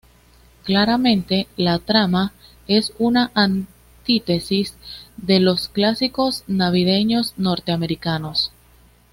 Claramente, la trama es una antítesis de los clásicos navideños norteamericanos.